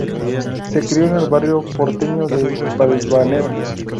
Se crio en el barrio porteño de Balvanera.